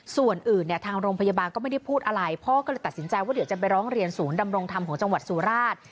ส่วนอื่นเนี่ยทางโรงพยาบาลก็ไม่ได้พูดอะไรพ่อก็เลยตัดสินใจว่าเดี๋ยวจะไปร้องเรียนศูนย์ดำรงธรรมของจังหวัดสุราช